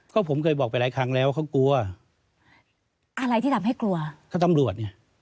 ก็ผมเคยบอกไปหลายครั้งแล้วเขากลัวอะไรที่ทำให้กลัวก็ตำรวจเนี่ย